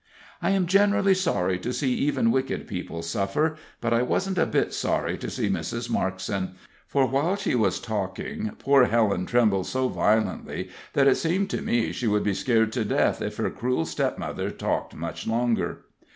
I am generally sorry to see even wicked people suffer, but I wasn't a bit sorry to see Mrs. Markson; for, while she was talking, poor Helen trembled so violently that it seemed to me she would be scared to death if her cruel stepmother talked much longer.